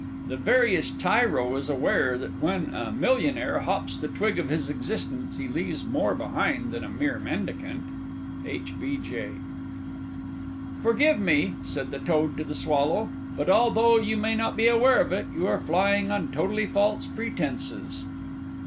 The veriest tyro is aware that when a Millionaire hops the twig of his existence, he leaves more behind him than a mere Mendicant! H. B. J. "Forgive me," said the Toad to the Swallow, "but, although you may not be aware of it, you are flying on totally false principles!"